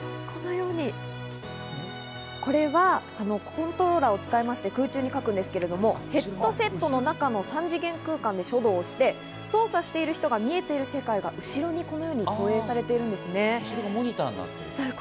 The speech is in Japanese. このようにこれはコントローラーを使いまして空中に書くんですけれども、ヘッドセットの中の３次元空間で書道をして、操作している人が見えている世界が後ろに、このように投影されているんですね。